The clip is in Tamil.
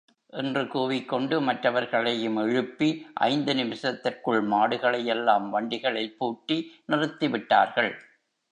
என்று கூவிக் கொண்டு மற்றவர்களையும் எழுப்பி ஐந்து நிமிஷத்திற்குள், மாடுகளை யெல்லாம் வண்டிகளில் பூட்டி நிறுத்தி விட்டார்கள்!